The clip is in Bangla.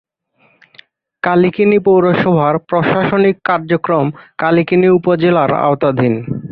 কালকিনি পৌরসভার প্রশাসনিক কার্যক্রম কালকিনি উপজেলার আওতাধীন।